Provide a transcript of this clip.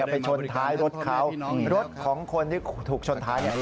ไปชนท้ายรถเขารถของคนที่ถูกชนท้ายเนี่ย